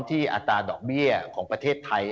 อัตราดอกเบี้ยของประเทศไทย